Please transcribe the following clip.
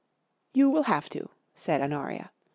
" You will have to," said Honoria.